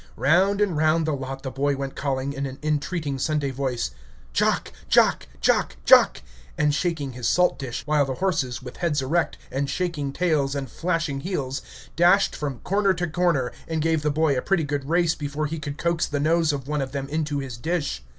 Round and round the lot the boy went calling, in an entreating Sunday voice, "Jock, jock, jock, jock," and shaking his salt dish, while the horses, with heads erect, and shaking tails and flashing heels, dashed from corner to corner, and gave the boy a pretty good race before he could coax the nose of one of them into his dish.